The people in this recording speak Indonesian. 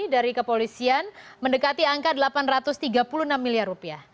dari kepolisian mendekati angka delapan ratus tiga puluh enam miliar rupiah